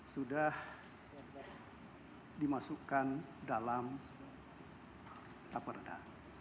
sudah dimasukkan dalam raperda